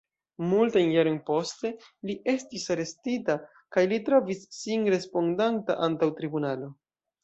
Multajn jarojn poste li estis arestita, kaj li trovis sin respondanta antaŭ tribunalo.